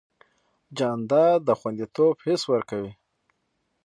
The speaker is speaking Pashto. جانداد د خوندیتوب حس ورکوي.